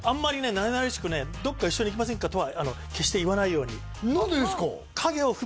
なれなれしくねどっか一緒に行きませんかとは決して言わないように何でですか？